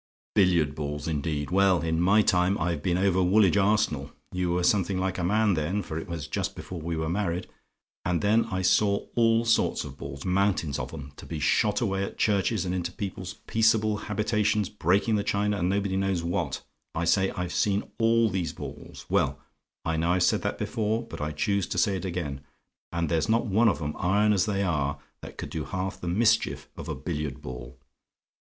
"Billiard balls, indeed! Well, in my time I've been over Woolwich Arsenal you were something like a man then, for it was just before we were married and then I saw all sorts of balls; mountains of 'em, to be shot away at churches, and into people's peaceable habitations, breaking the china, and nobody knows what I say, I've seen all these balls well, I know I've said that before; but I choose to say it again and there's not one of 'em, iron as they are, that could do half the mischief of a billiard ball.